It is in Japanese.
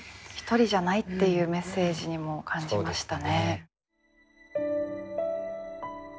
一人じゃないっていうメッセージにも感じましたね。